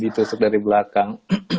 ditusuk dari belakang